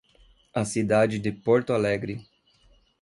A cidade de Porto Alegre.